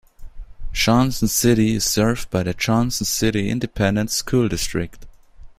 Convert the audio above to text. Johnson City is served by the Johnson City Independent School District.